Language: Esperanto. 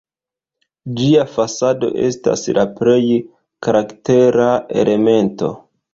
Ĝia fasado estas la plej karaktera elemento.